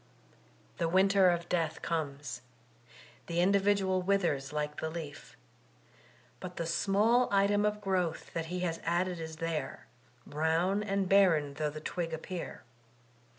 The winter of death comes ; the individual withers like the leaf ; but the small item of growth that he has added is there, brown and barren though the twig appear.